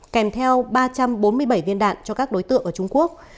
kèm theo ba trăm bốn mươi bảy viên đạn cho các đối tượng ở trung quốc